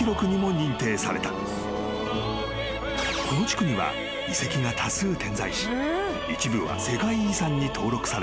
［この地区には遺跡が多数点在し一部は世界遺産に登録されている］